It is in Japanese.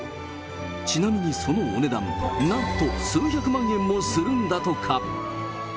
ちなみにそのお値段はなんと数百万円もするんだとか。